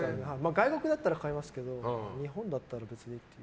外国だったら買いますけど日本だったら別に。